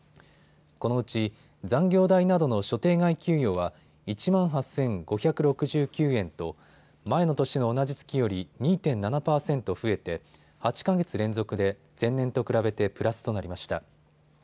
このうち残業代などの所定外給与は１万８５６９円と前の年の同じ月より２．７％増えて８か月連続で前年と比べてプラスとなりました。